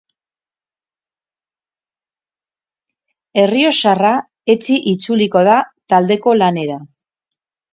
Errioxarra etzi itzuliko da taldeko lanera.